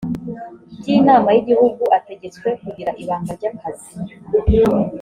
by inama y igihugu ategetswe kugira ibanga ry akazi